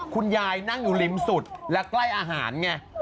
นั่งอยู่ริมสุดและใกล้อาหารไง